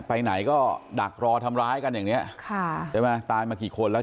ไปไหนก็ดักรอทำร้ายกันอย่างเนี้ยค่ะใช่ไหมตายมากี่คนแล้ว